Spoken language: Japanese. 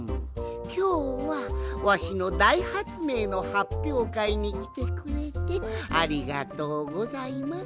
きょうはわしのだいはつめいのはっぴょうかいにきてくれてありがとうございます。